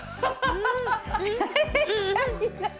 めっちゃ開いて。